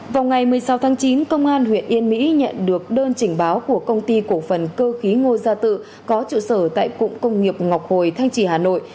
vào ngày một mươi sáu tháng chín công an huyện yên mỹ nhận được đơn trình báo của công ty cổ phần cơ khí ngô gia tự có trụ sở tại cụng công nghiệp ngọc hồi thanh trì hà nội